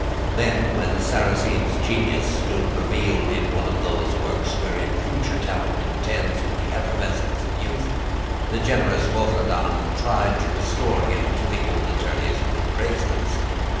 Then, when Sarrasine's genius stood revealed in one of those works wherein future talent contends with the effervescence of youth, the generous Bouchardon tried to restore him to the old attorney's good graces.